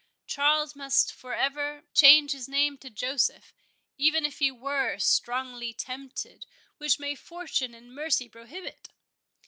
Charles must for ever change his name to Joseph, even if he were strongly tempted; which may Fortune in mercy prohibit!"